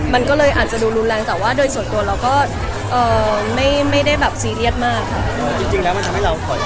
มันก็เลยอาจจะดูรุนแรงแต่ว่าโดยส่วนตัวเราก็เอ่อไม่ได้แบบซีเรียสมากค่ะ